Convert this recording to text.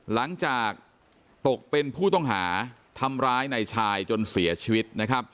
หลังจากตกเป็นผู้ต้องหาทำร้ายนายชายจนเสียชีวิตนะครับ